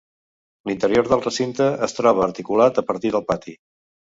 L'interior del recinte es troba articulat a partir del pati.